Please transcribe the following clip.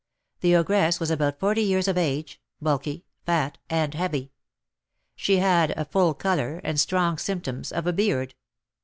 The ogress was about forty years of age, bulky, fat, and heavy. She had a full colour, and strong symptoms of a beard.